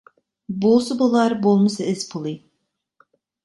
بولسا بولار، بولمىسا ئىز پۇلى.